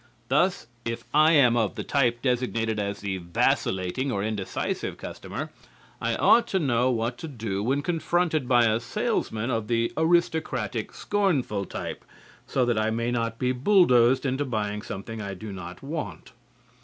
Thus, if I am of the type designated as the Vacillating or Indecisive Customer, I ought to know what to do when confronted by a salesman of the Aristocratic, Scornful type, so that I may not be bulldozed into buying something I do not want.